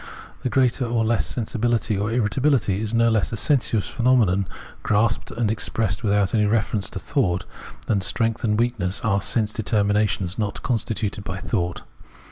The greater or less sensibihty or irritability is no less a sensuous phenomenon, grasped and expressed without any reference to thought, than strength and weakness are sense determinations not constituted by thought.